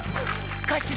頭